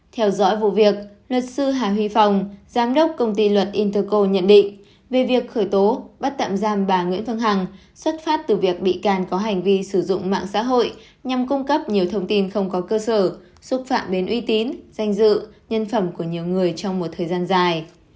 theo dõi vụ việc luật sư hà huy phong giám đốc công ty luật interco nhận định về việc khởi tố bắt tạm giam bà nguyễn phương hằng xuất phát từ việc bị can có hành vi sử dụng mạng xã hội nhằm cung cấp nhiều thông tin không có cơ sở xúc phạm đến uy tín danh dự nhân phẩm của nhiều người trong một thời gian dài